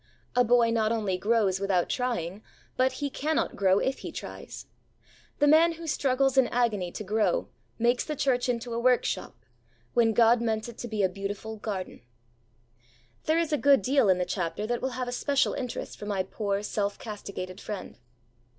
A boy not only grows without trying, but he cannot grow if he tries. The man who struggles in agony to grow makes the church into a workshop when God meant it to be a beautiful garden.' There is a good deal in the chapter that will have a special interest for my poor self castigated friend.